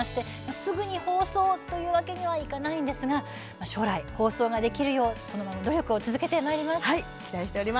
すぐに放送というわけにはいかないのですが将来、放送ができるよう努力を続けてまいります。